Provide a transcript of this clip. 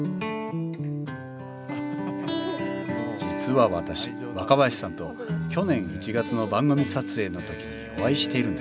実は私若林さんと去年１月の番組撮影の時にお会いしているんです。